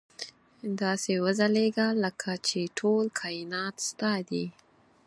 داسې وځلېږه لکه چې ټول کاینات ستا دي.